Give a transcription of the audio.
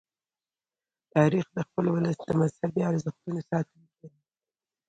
تاریخ د خپل ولس د مذهبي ارزښتونو ساتونکی دی.